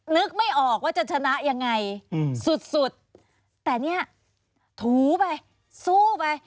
นึกไม่ออกว่าจะชนะยังไงสุดสุดแต่เนี่ยถูไปสู้ไป